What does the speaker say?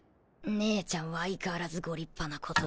姐ちゃんは相変わらずご立派なことで。